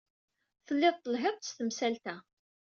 Tellid telhid-d s temsalt-a.